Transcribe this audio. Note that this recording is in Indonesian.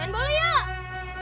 pen boli yuk